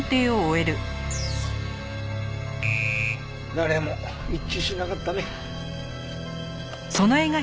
誰も一致しなかったね。